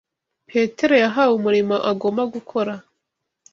Petero yahawe umurimo agomba gukora